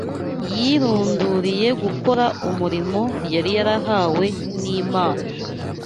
yirunduriye gukora umurimo yari yarahawe n’Imana.